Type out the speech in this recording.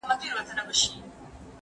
دا سپينکۍ له هغه پاکه ده!!